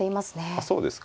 あっそうですか。